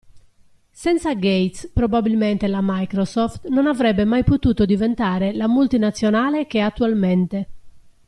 Senza Gates probabilmente la Microsoft non avrebbe mai potuto diventare la multinazionale che è attualmente.